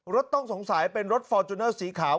รถต้องสงสัยเป็นรถฟอร์จูเนอร์สีขาว